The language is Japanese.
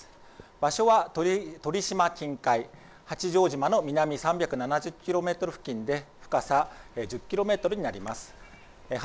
場所は鳥島近海、八丈島の南３７０キロメートル付近で深さ１０キロメートルになります。